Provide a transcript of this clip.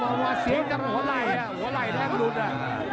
โอ้โหหัวไหล่แท่งหลุดอ่ะ